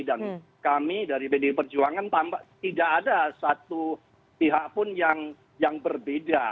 dan kami dari pdi perjuangan tidak ada satu pihak pun yang berbeda